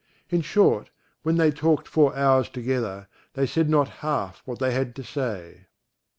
In short, when they talked four hours together, they said not half what they had to say.